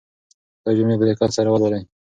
دا جملې په دقت سره ولولئ.